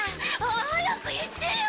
早く言ってよ！